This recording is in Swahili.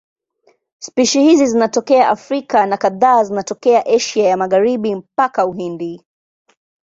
Spishi hizi zinatokea Afrika na kadhaa zinatokea Asia ya Magharibi mpaka Uhindi.